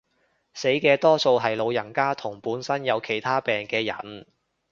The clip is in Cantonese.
死嘅多數係老人家同本身有其他病嘅人